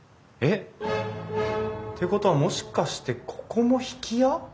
ってことはもしかしてここも曳家？